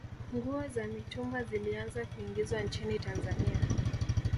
nguo za mitumba zilianza kuingizwa nchini tanzania